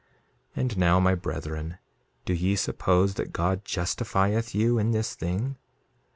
2:14 And now, my brethren, do ye suppose that God justifieth you in this thing?